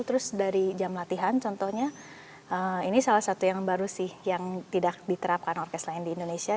terus dari jam latihan contohnya ini salah satu yang baru sih yang tidak diterapkan orkes lain di indonesia